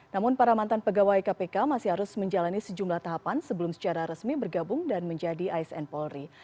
namun para mantan pegawai kpk masih harus menjalani sejumlah tahapan sebelum secara resmi bergabung dan menjadi asn polri